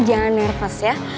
jangan nervous ya